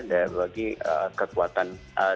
dari bagi kekuatan dua ratus dua belas